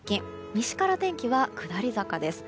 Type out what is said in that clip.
西から天気は下り坂です。